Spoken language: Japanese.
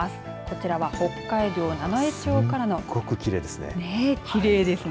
こちらは北海道七飯町からのきれいですね。